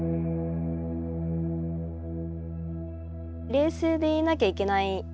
冷静でいなきゃいけない。